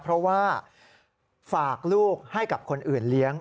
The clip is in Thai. เพราะว่าฝากลูกให้กับคนอื่นเลี้ยง